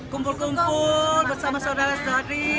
kumpul kumpul bersama saudara sadi